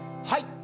はい！